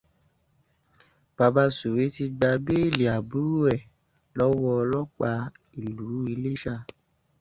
Bàbá Sùwé ti gba béèlì àbúrò ẹ̀ lọ́wọ́ ọlọ́pàá ìlú Iléṣà